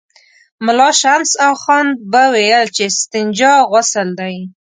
ملا شمس اخند به ویل چې استنجا غسل دی.